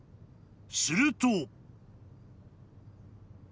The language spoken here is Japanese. ［すると］